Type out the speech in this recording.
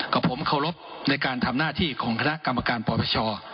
กับผมเคารพในการทำหน้าที่ของคณะกรรมการปปช